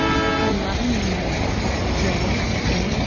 IN LOVING MEMORY. [J. A.